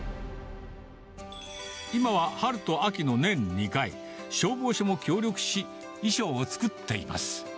今は春と秋の年２回、消防署も協力し、衣装を作っています。